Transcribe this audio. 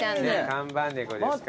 看板猫ですか？